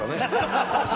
ハハハハ！